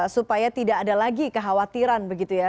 supaya tidak ada lagi kekhawatiran begitu ya